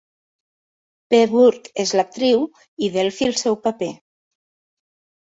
P. Burke és l"actriu, i Delphi el seu paper.